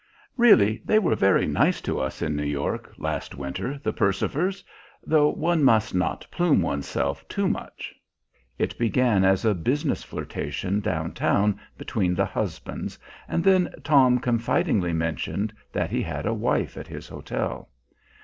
Really they were very nice to us in New York, last winter, the Percifers though one must not plume one's self too much. It began as a business flirtation down town between the husbands, and then Tom confidingly mentioned that he had a wife at his hotel.